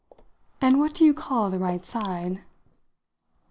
"And what do you call the right side?"